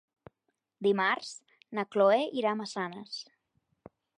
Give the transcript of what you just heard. Dimarts na Cloè irà a Massanes.